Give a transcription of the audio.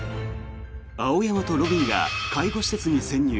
青山と路敏が介護施設に潜入。